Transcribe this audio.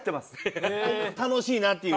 楽しいなっていう？